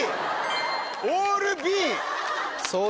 オールＢ！